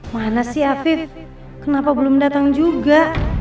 mana sih afif kenapa belum datang juga